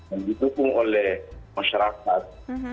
dan di dukung oleh masyarakat